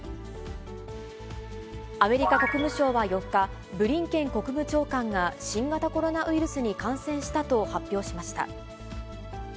アメリカ国務省は４日、ブリンケン国務長官が、新型コロナウイルスに感染したと発表しました。